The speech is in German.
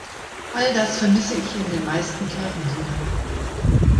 All das vermisse ich in den meisten Kirchenliedern.